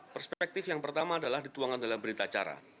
perspektif yang pertama adalah dituangkan dalam berita acara